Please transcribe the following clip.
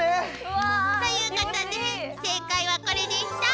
わ気持ちいい！ということで正解はこれでした。